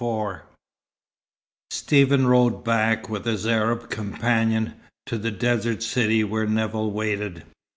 XLIV Stephen rode back with his Arab companion, to the desert city where Nevill waited.